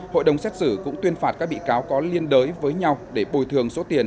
hội đồng xét xử cũng tuyên phạt các bị cáo có liên đới với nhau để bồi thường số tiền